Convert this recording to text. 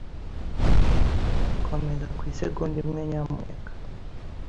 Komeza ku isegonda imwe, nyamuneka.